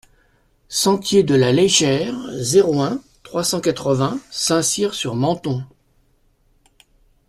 Sentier de la Léchère, zéro un, trois cent quatre-vingts Saint-Cyr-sur-Menthon